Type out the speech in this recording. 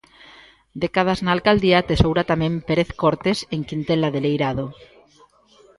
Décadas na alcaldía atesoura tamén Pérez Cortes en Quintela de Leirado.